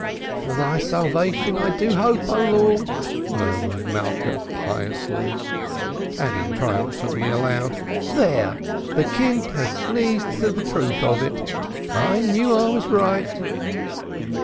"For thy Salvation do I hope, O Lord," murmured Malka, piously, adding triumphantly aloud, "There! the kind has sneezed to the truth of it. I knew I was right."